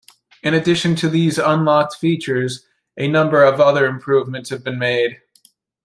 In addition to these unlocked features, a number of other improvements have been made.